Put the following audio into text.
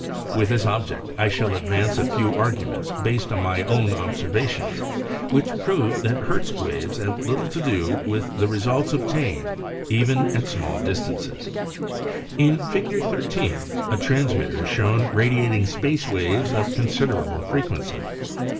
With this object I shall advance a few arguments based on my own observa tions which prove that Hertz waves have little to do with the results obtained even at small distances. In Fig. 13 a transmitter is shown radiat ing space waves of considerable frequency.